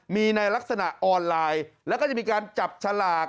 มีในลักษณะออนไลน์แล้วก็จะมีการจับฉลาก